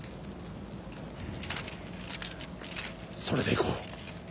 それでいこう。